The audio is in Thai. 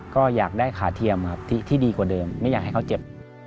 ก็อยากได้ขาเทียมครับที่ดีกว่าเดิมไม่อยากให้เขาเจ็บ